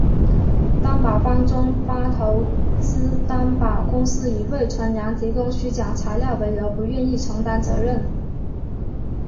担保方中发投资担保公司以魏辰阳提供虚假材料为由不愿意承担责任。